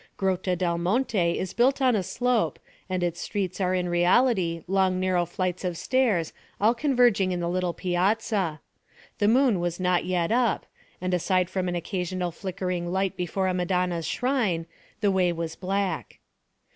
Grotta del Monte is built on a slope and its streets are in reality long narrow flights of stairs all converging in the little piazza. The moon was not yet up, and aside from an occasional flickering light before a madonna's shrine, the way was black.